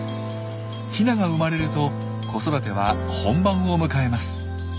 ヒナが生まれると子育ては本番を迎えます。